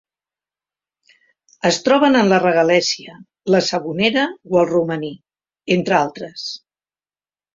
Es troben en la regalèssia, la sabonera o el romaní, entre altres.